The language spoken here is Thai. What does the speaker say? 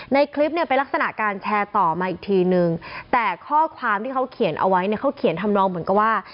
ในคลิปเนี่ยเป็นลักษณะการแชร์ต่อมาอีกทีนึงแต่ข้อความที่เขาเขียนเอาไว้เนี่ยเขาเขียนทำนองเหมือนกับว่า